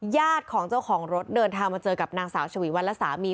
ญาติของเจ้าของรถเดินทางมาเจอกับนางสาวชวีวันและสามี